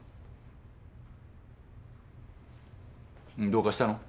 どうかしたの？